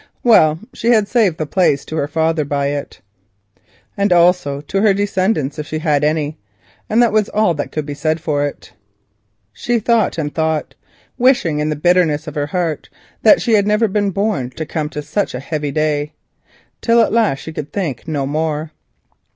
Well, she had saved the place to her father, and also to her descendants, if she had any, and that was all that could be said. She thought and thought, wishing in the bitterness of her heart that she had never been born to come to such a heavy day, till at last she could think no more.